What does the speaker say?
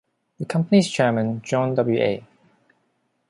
The company's chairman, John W. A.